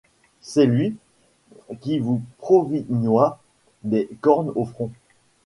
Celluy qui vous provignoyt des cornes au front.